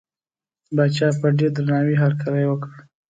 پاچا په ډېر درناوي هرکلی وکړ.